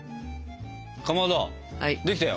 かまどできたよ。